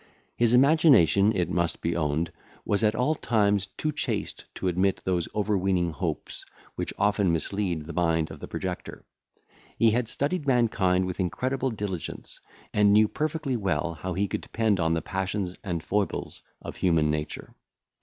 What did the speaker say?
His imagination, it must be owned, was at all times too chaste to admit those overweening hopes, which often mislead the mind of the projector. He had studied mankind with incredible diligence, and knew perfectly well how far he could depend on the passions and foibles of human nature.